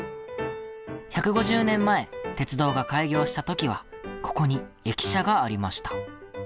１５０年前鉄道が開業した時はここに駅舎がありました。